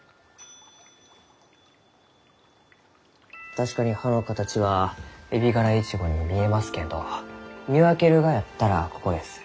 確かに葉の形はエビガライチゴに見えますけんど見分けるがやったらここです。